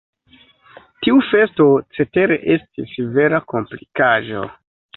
Tiu festo cetere estis vera komplikaĵo.